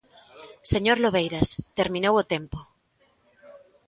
Señor Lobeiras, terminou o tempo.